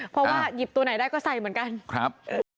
เพราะว่าหยิบตัวไหนได้ก็ใส่เหมือนกันครับ